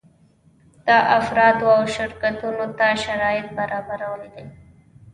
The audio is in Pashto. دا افرادو او شرکتونو ته شرایط برابرول دي.